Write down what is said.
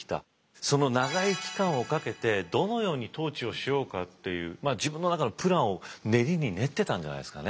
その長い期間をかけてどのように統治をしようかっていう自分の中のプランを練りに練ってたんじゃないですかね。